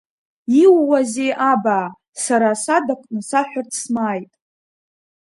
Иууазеи, абаа, сара асадаҟны саҳәарц смааит.